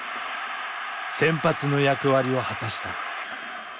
先発の役割を果たした。